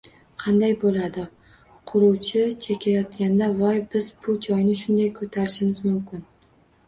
Qanday bo'ladi? Quruvchi chekayotganda: "Voy, biz bu joyni shunday ko'tarishimiz mumkin